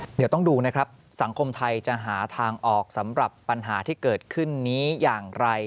เดี๋ยวต้องดูนะครับสังคมไทยจะหาทางออกสำหรับปัญหาที่เกิดขึ้นนี้อย่างไร